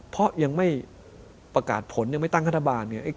เพราะยังไม่ประกาศผลยังไม่ตั้งฆาตบาล